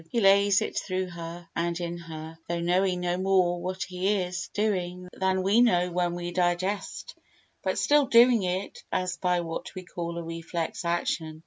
He lays it through her and in her, though knowing no more what he is doing than we know when we digest, but still doing it as by what we call a reflex action.